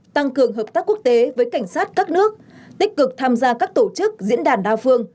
tăng cường hợp tác quốc tế với cảnh sát các nước tích cực tham gia các tổ chức diễn đàn đa phương